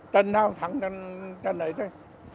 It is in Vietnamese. trần nào thẳng trần ấy thôi